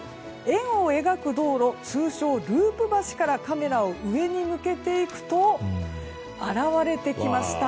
円を描く道路、通称ループ橋からカメラを上に向けていくと現れてきました。